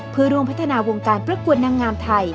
เพื่อร่วมพัฒนาวงการประกวดนางงามไทย